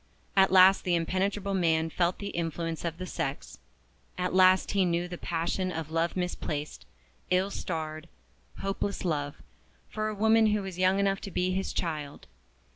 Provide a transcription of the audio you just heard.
At last the impenetrable man felt the influence of the sex; at last he knew the passion of love misplaced, ill starred, hopeless love, for a woman who was young enough to be his child.